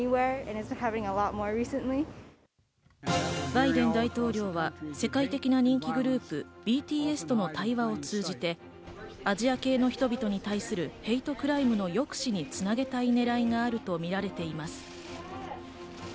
バイデン大統領は世界的な人気グループＢＴＳとの対話を通じてアジア系の人々に対するヘイトクライムの抑止に繋げたいねらいがあるとみられています。